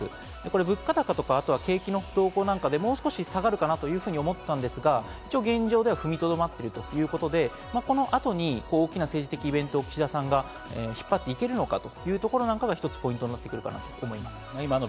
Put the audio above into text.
物価高とか景気の動向なんかで、もう少し下がるかなと思ったんですが、現状では踏みとどまってるということで、この後に大きな政治的イベントを岸田さんが引っ張っていけるのかというところが一つポイントになると思います。